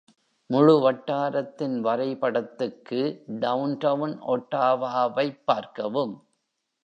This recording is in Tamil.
முழு வட்டாரத்தின் வரைபடத்துக்கு Downtown Ottawa-வைப் பார்க்கவும்.